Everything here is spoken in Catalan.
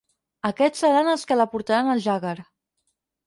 Aquests seran els que la portaran al Jaggar.